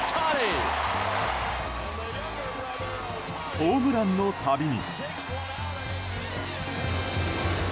ホームランの度に。